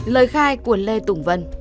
lời khai của lê tùng vân